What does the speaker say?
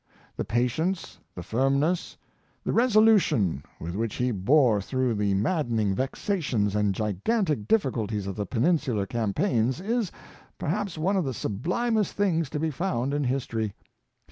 The pa tience, the firmness, the resolution, with which he bore through the maddening vexations and gigantic difficul ties of the Peninsular campaigns, is, perhaps one of the sublimest things to be found in history.